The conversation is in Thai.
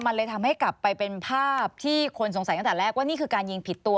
มันเลยทำให้กลับไปเป็นภาพที่คนสงสัยตั้งแต่แรกว่านี่คือการยิงผิดตัว